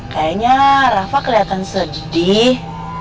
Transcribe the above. kayaknya rafa keliatan sedih